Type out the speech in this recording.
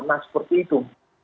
nah seperti itu